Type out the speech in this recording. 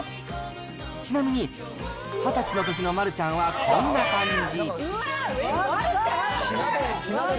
ちなみに、２０歳のときの丸ちゃんはこんな感じ。